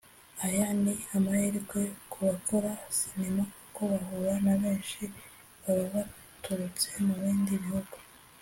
aya ni amahirwe ku bakora sinema kuko bahura na benshi baba baturutse mu bindi bihugu